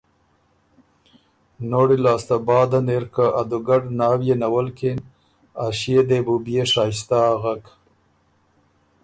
نوړی لاسته بعدن اِرکه ا دُوګډ ناويې نولکِن ا ݭيې دې بُو بيې شائستۀ اغک